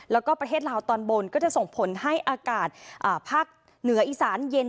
แล้วก็ประเทศลาวตอนบนก็จะส่งผลให้อากาศภาคเหนืออีสานเย็น